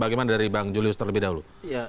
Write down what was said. bagaimana dari bang julius terlebih dahulu